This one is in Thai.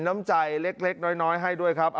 น้ำใจเล็กน้อยให้ด้วยครับ